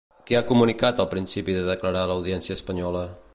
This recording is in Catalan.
Què ha comunicat al principi de declarar a l'Audiència Espanyola?